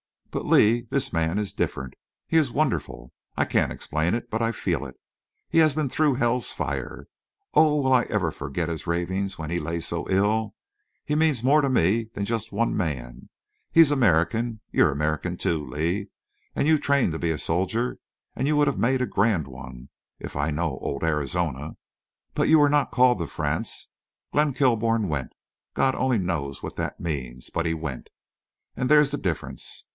But, Lee, this man is different. He is wonderful. I can't explain it, but I feel it. He has been through hell's fire. Oh! will I ever forget his ravings when he lay so ill? He means more to me than just one man. He's American. You're American, too, Lee, and you trained to be a soldier, and you would have made a grand one—if I know old Arizona. But you were not called to France.... Glenn Kilbourne went. God only knows what that means. But he went. And there's the difference.